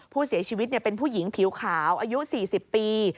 ผู้เสียชีวิตเป็นผู้หญิงผิวขาวอายุ๔๐ปี